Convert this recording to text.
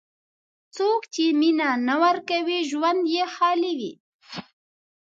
څوک چې مینه نه ورکوي، ژوند یې خالي وي.